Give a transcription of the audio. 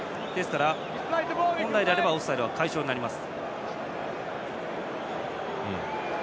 ですから本来ならオフサイドは解消になります。